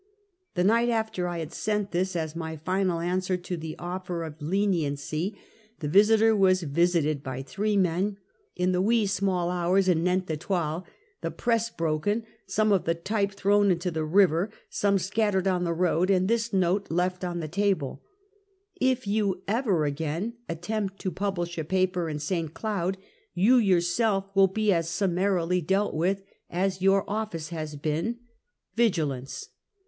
The night after I had sent this, as my final answer to the offer of leniency, the Visiter was visited by three men in the " wee sma' hours, an ent the twal," the press broken, some of the type thrown into the river, some scattered on the road, and this note left on the table: " If you ever again attempt to publish a paper in St. Cloud, you yourself will be as summarily dealt with as your office has been. Yigilance."